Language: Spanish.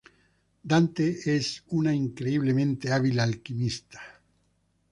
Dante es una increíblemente hábil alquimista.